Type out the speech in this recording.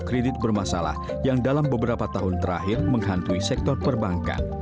kredit bermasalah yang dalam beberapa tahun terakhir menghantui sektor perbankan